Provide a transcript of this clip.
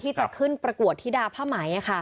ที่จะขึ้นประกวดธิดาผ้าไหม